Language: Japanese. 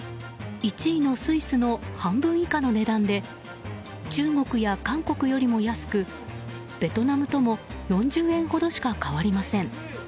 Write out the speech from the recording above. １位のスイスの半分以下の値段で中国や韓国よりも安くベトナムとも４０円ほどしか変わりません。